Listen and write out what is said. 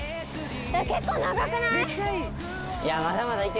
結構長くない？